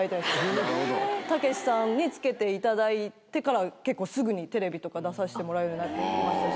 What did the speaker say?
たけしさんに付けていただいてから、結構すぐにテレビとか出させてもらえるようになりました